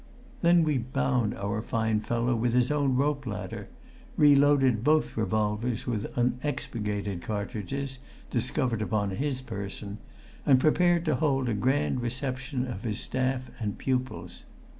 Then we bound our fine fellow with his own rope ladder, reloaded both revolvers with unexpurgated cartridges discovered upon his person, and prepared to hold a grand reception of his staff and "pupils."